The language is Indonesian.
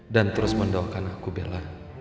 dan terus mendoakan aku bella